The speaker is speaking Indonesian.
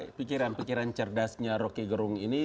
tapi pikiran pikiran cerdasnya roky gerung ini